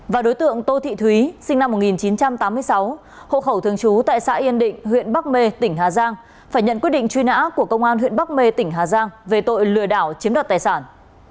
và đối tượng tô thị thúy sinh năm một nghìn chín trăm tám mươi sáu hộ khẩu thường trú tại xã yên định huyện bắc mê tỉnh hà giang phải nhận quyết định truy nã của công an huyện bắc mê tỉnh hà giang về tội lừa đảo chiếm đoạt tài sản